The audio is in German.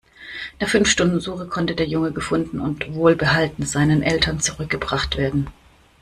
Nach fünf Stunden Suche konnte der Junge gefunden und wohlbehalten seinen Eltern zurückgebracht werden.